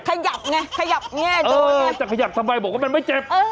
ขยับไงขยับแง่เจอแง่จะขยับทำไมบอกว่ามันไม่เจ็บ